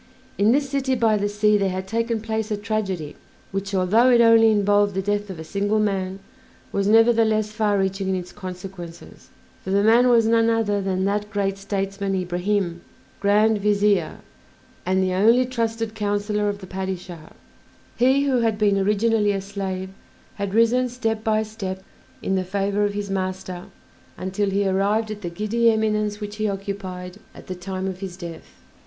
In this city by the sea there had taken place a tragedy which, although it only involved the death of a single man, was nevertheless far reaching in its consequences; for the man was none other than that great statesman Ibrahim, Grand Vizier, and the only trusted counsellor of the Padishah. He who had been originally a slave had risen step by step in the favor of his master until he arrived at the giddy eminence which he occupied at the time of his death.